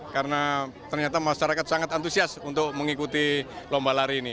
karena ternyata masyarakat sangat antusias untuk mengikuti lomba lari ini